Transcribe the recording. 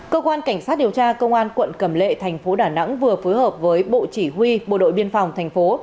cơ quan cảnh sát điều tra công an quận cầm lệ thành phố đà nẵng vừa phối hợp với bộ chỉ huy bộ đội biên phòng thành phố